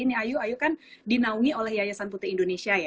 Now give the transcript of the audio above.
ini ayu ayu kan dinaungi oleh yayasan putri indonesia ya